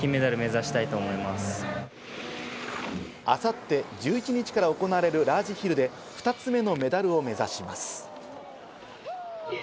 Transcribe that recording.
明後日、１１日から行われるラージヒルで２つ目のメダルを目指します。